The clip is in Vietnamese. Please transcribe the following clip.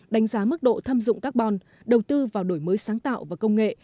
đánh giá mức độ thâm dụng carbon đầu tư vào đổi mới sáng tạo và công nghệ